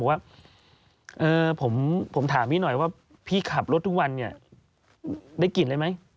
ว่าผมถามพี่หน่อยว่าพี่ขับรถทุกวันเนี่ยได้กลิ่นอะไรไหม